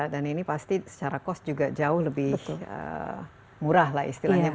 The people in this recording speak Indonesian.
dan ini pasti secara cost juga jauh lebih murah lah istilahnya